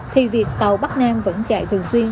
thì việc tàu bắc nam vẫn chạy thường xuyên